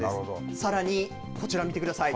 さらに、こちら見てください。